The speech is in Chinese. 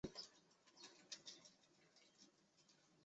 近年逐步发展观光产业。